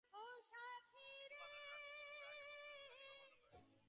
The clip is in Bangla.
কিন্তু বাদলের রাত্রি গভীর হওয়ার আগে সবগুলি দোকানই এখন বন্ধ হইয়া গিয়াছে।